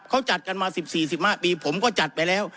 เขาจัดกันมา๑๔๑๕ปีผมก็จัดไปแล้ว